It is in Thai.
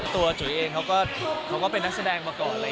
จุ๋ยเองเขาก็เป็นนักแสดงมาก่อนเลย